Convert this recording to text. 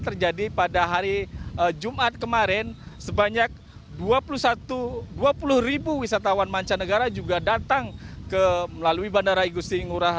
terjadi pada hari jumat kemarin sebanyak dua puluh satu dua puluh wisatawan mancanegara juga datang ke melalui bandara